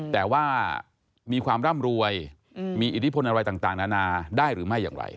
แต่ว่ามีความร่ำรวยมีอิทธิพลอะไรต่างนานาได้หรือไม่อย่างไร